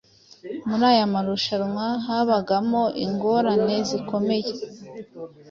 Muri aya marushanwa habagamo ingorane zikomeye.